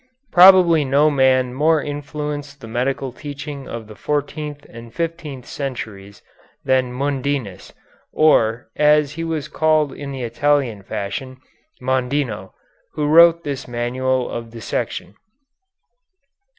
Probably no man more influenced the medical teaching of the fourteenth and fifteen centuries than Mundinus, or, as he was called in the Italian fashion, Mondino, who wrote this manual of dissection.